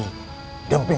demi keselamatan mereka